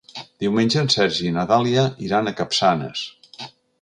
Diumenge en Sergi i na Dàlia iran a Capçanes.